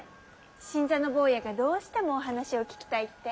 新参の坊やがどうしてもお話を聞きたいって。